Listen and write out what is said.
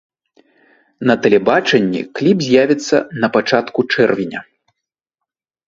На тэлебачанні кліп з'явіцца на пачатку чэрвеня.